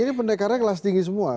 ini pendekarnya kelas tinggi semua